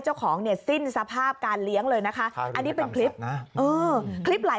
เจ้าของเนี่ยสิ้นสภาพการเลี้ยงเลยนะคะอันนี้เป็นคลิปนะเออคลิปหลาย